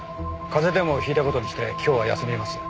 風邪でも引いた事にして今日は休みます。